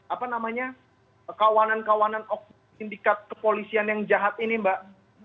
apa namanya kawanan kawanan indikat kepolisian yang jahat ini mbak